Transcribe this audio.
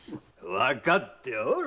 わかっておる。